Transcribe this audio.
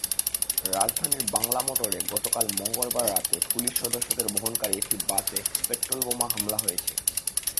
রাজধানীর বাংলামোটরে গতকাল মঙ্গলবার রাতে পুলিশ সদস্যদের বহনকারী একটি বাসে পেট্রলবোমা হামলা হয়েছে।